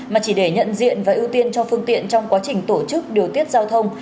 mà chỉ để nhận diện và ưu tiên cho phương tiện trong quá trình tổ chức điều tiết giao thông